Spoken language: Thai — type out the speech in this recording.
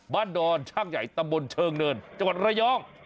ดอนช่างใหญ่ตำบลเชิงเนินจังหวัดระยอง